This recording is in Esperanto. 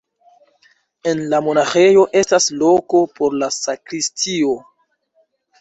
En la monaĥejo estas loko por la sakristio.